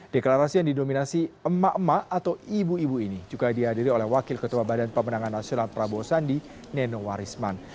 deklarasi yang didominasi emak emak atau ibu ibu ini juga dihadiri oleh wakil ketua badan pemenangan nasional prabowo sandi nenowarisman